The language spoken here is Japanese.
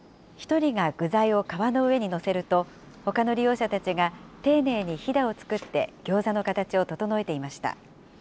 １人が具材を皮の上に載せると、ほかの利用者たちが丁寧にひだを作ってギョーザの形を整えていました。